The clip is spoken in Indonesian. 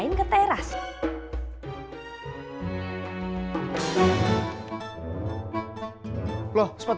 yang takut examples di bi motherboard